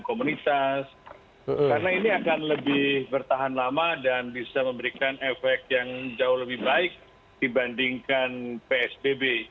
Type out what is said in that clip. karena ini akan lebih bertahan lama dan bisa memberikan efek yang jauh lebih baik dibandingkan psbb